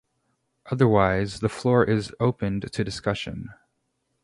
Otherwise, the floor is opened to discussion.